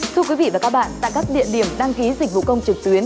thưa quý vị và các bạn tại các địa điểm đăng ký dịch vụ công trực tuyến